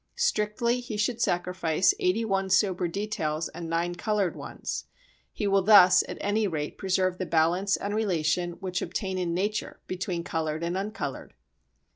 Strictly, he should sacrifice eighty one sober details and nine coloured ones; he will thus at any rate preserve the balance and relation which obtain in nature between coloured and uncoloured.